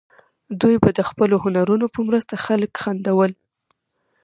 دوی به د خپلو هنرونو په مرسته خلک خندول.